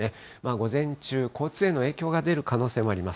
午前中、交通への影響が出る可能性があります。